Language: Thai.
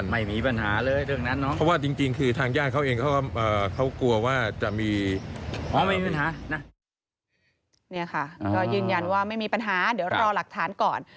นี่ค่ะก็ยืนยันว่าไม่มีปัญหาเดี๋ยวรอหลักฐานก่อน